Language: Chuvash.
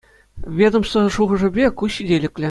Ведомство шухӑшӗпе, ку ҫителӗклӗ.